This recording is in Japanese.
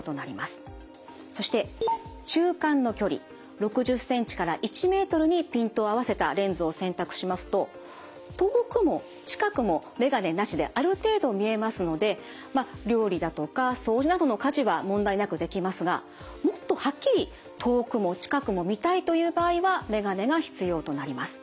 そして中間の距離６０ｃｍから１ｍにピントを合わせたレンズを選択しますと遠くも近くも眼鏡なしである程度見えますのでまあ料理だとか掃除などの家事は問題なくできますがもっとはっきり遠くも近くも見たいという場合は眼鏡が必要となります。